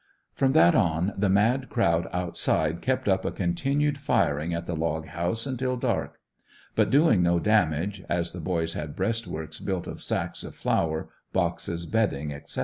From that on, the mad crowd outside kept up a continued firing at the log house until dark. But doing no damage, as the boys had breast works built of sacks of flour, boxes, bedding, etc.